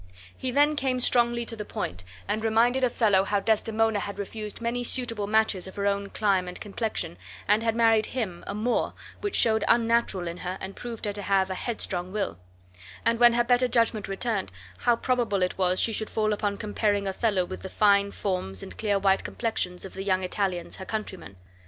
He then came strongly to the point and reminded Othello how Desdemona had refused many suitable matches of her own clime and complexion, and had married him, a Moor, which showed unnatural in her and proved her to have a headstrong will; and when her better judgment returned, how probable it was she should fall upon comparing Othello with the fine forms and clear white complexions of the young Italians her countrymen.